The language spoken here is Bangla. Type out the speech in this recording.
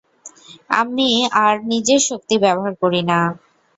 আমি আর নিজের শক্তি ব্যবহার করি না।